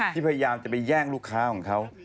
พยายามจะไปแย่งลูกค้าของเขา